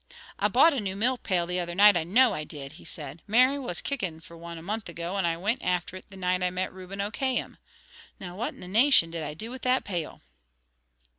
"I bought a new milk pail the other night. I know I did," he said. "Mary was kicking for one a month ago, and I went after it the night I met Ruben O'Khayam. Now what the nation did I do with that pail?"